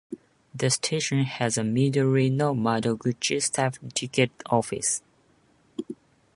The station has a "Midori no Madoguchi" staffed ticket office.